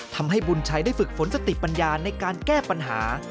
ทำให้บุญชัยได้ฝึกฝนสติปัญญาในการแก้ปัญหา